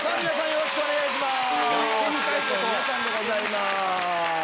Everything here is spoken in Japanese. よろしくお願いします。